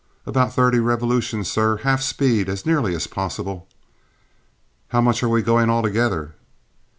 "About thirty revolutions, sir; half speed, as nearly as possible." "How much are we going altogether?"